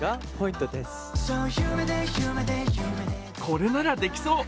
これならできそう。